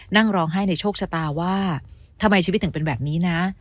นั่งร้องไห้ในโชคชะตาว่าทำไมชีวิตถึงเป็นแบบนี้นะ